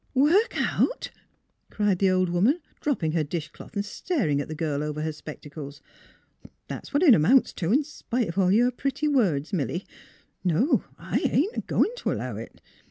" Work out? " cried the old woman, dropping her dish cloth and staring at the girl over her spectacles. " That's what it amounts to, in spite of all your pretty words, Milly. No; I ain't a goin' t' allow it.